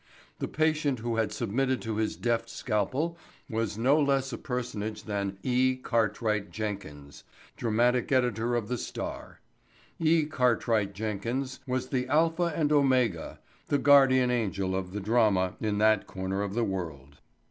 The patient who had submitted to his deft scalpel was no less a personage than E. Cartwright Jenkins, dramatic editor of the Star. E. Cartwright Jenkins was the alpha and omega, the guardian angel of the drama in that corner of the world.